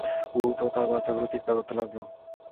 উট ও তার বাচ্চাগুলো চিৎকার করতে লাগল।